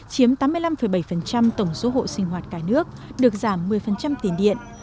chiếm tám mươi năm bảy tổng số hộ sinh hoạt cả nước được giảm một mươi tiền điện